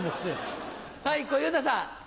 はい小遊三さん。